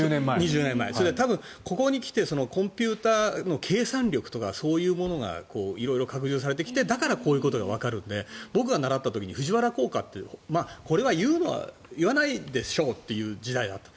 それで多分、ここに来てコンピューターの計算力とかそういうものが色々拡充されてだからこういうことがわかるので僕が習った時に藤原効果これは言わないでしょうという時代だった。